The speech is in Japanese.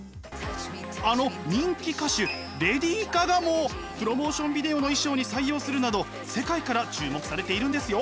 あの人気歌手レディー・ガガもプロモーションビデオの衣装に採用するなど世界から注目されているんですよ！